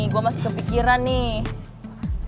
gue masih kepikiran nih